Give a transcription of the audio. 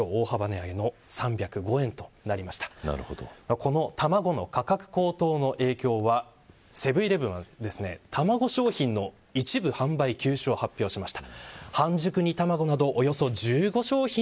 この卵の価格高騰の影響はセブン‐イレブンは卵商品の一部販売休止を発表しました。